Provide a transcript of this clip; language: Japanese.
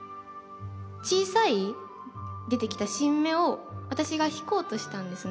小さい出てきた新芽を私が引こうとしたんですね。